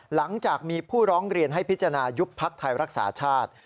หลังจากมีผู้ร้องเรียนให้พิจารณายุบพักไทยรักษาชาติ